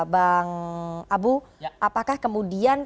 bang abu apakah kemudian